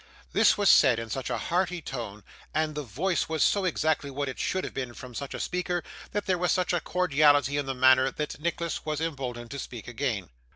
This was said in such a hearty tone, and the voice was so exactly what it should have been from such a speaker, and there was such a cordiality in the manner, that Nicholas was emboldened to speak again.